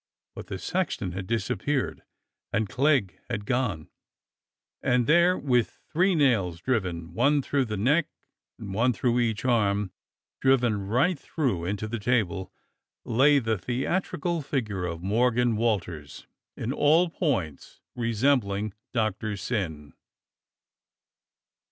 '^" But the sexton had disappeared, and Clegg had gone, and there, with three nails driven, one through the neck and one through each arm, driven right through into the table, lay the theatrical figure of Morgan Walters, in all points resembHng Doctor Syn.